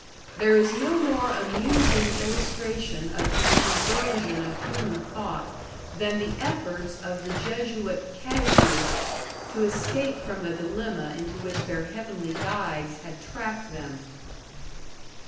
There is no more amusing illustration of the perversion of human thought than the efforts of the Jesuit casuists to escape from the dilemma into which their Heavenly Guides had trapped them.